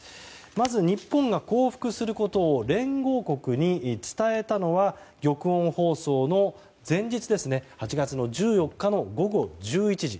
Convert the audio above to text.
まず日本が降伏することを連合国に伝えたのは玉音放送の前日８月の１４日の午後１１時。